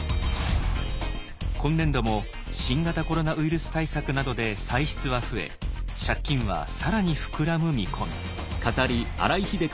今年度も新型コロナウイルス対策などで歳出は増え借金は更に膨らむ見込み。